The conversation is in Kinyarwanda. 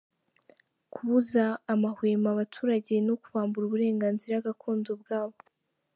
– Kubuza amahwemo abaturage no kubambura uburenganzira gakondo bwabo;